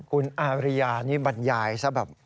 คุณอาริยานี่บรรยายซะแบบ